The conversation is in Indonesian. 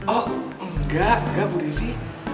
oh enggak enggak bu livi